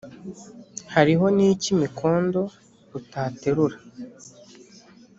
hariho n' icy' imikondo utaterura,